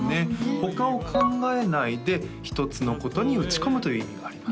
他を考えないで一つのことに打ち込むという意味があります